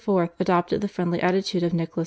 adopted the friendly attitude of Nicholas V.